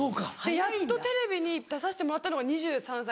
やっとテレビに出させてもらったのが２３歳。